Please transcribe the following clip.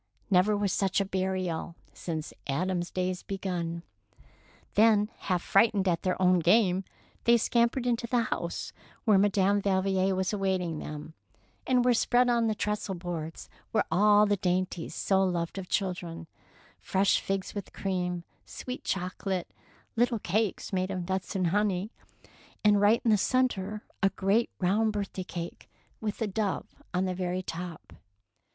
Never was such a burial Since Adam's days begun." Then, half frightened at their own game, they scampered into the house, where Madame Valvier was awaiting them, and where, spread on trestle boards, were all the dainties so loved of children, — fresh figs with cream, sweet chocolate, little cakes made of 184 . THE PEAKL NECKLACE nuts and honey, and right in the centre a great round birthday cake with a dove on the very top.